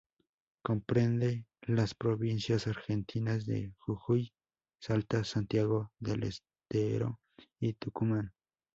Comprende las provincias argentinas de Jujuy, Salta, Santiago del Estero y Tucumán.